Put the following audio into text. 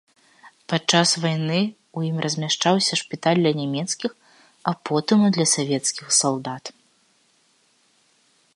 Падчас вайны ў ім размяшчаўся шпіталь для нямецкіх, а потым і для савецкіх салдат.